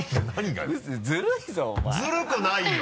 ずるくないよ！